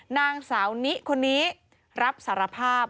นางสาวนิคนนี้รับสารภาพ